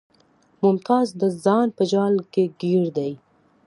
ممتاز د ځان په جال کې ګیر دی